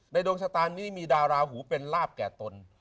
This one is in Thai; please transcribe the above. ดวงชะตานี้มีดาวราหูเป็นลาบแก่ตน